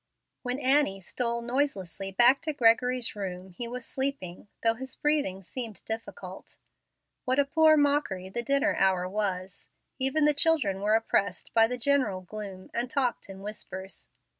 When Annie stole noiselessly back to Gregory's room he was sleeping, though his breathing seemed difficult. What a poor mockery the dinner hour was! Even the children were oppressed by the general gloom and talked in whispers.